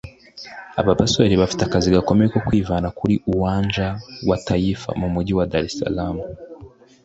Aba basore bafite akazi gakomeye ko kwivana kuri Uwanja wa Taifa mu mugi wa Dar Es Salaam